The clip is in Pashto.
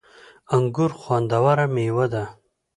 انګور خوندوره مېوه ده